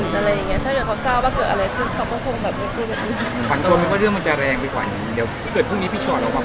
ถ้าเดี๋ยวเขาทราบว่าเกิดอะไรขึ้นเขาก็คงไม่คิดแบบนี้